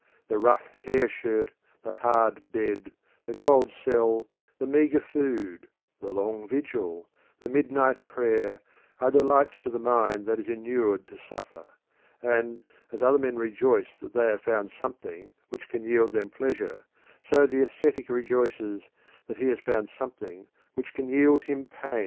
The rough hair shirt, the hard bed, the cold cell, the meagre food, the long vigil, the midnight prayer, are delights to the mind that is inured to suffer; and as other men rejoice that they have found something which can yield them pleasure, so the ascetic rejoices that he has found something which can yield him pain.